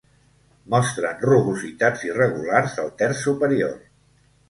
Mostren rugositats irregulars al terç superior.